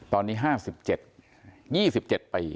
ตอนนี้๕๗๒๗ปี